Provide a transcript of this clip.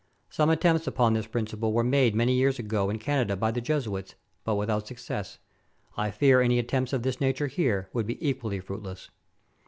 Some attempts upon this principle were made many years ago in Canada by the Jesuits, but without success. I fear any attempts of this nature here would be equally fruitless.